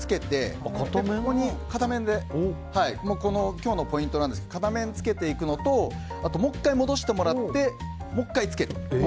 今日のポイントなんですが片面つけていくのとあともう１回戻していただいてもう１回つける。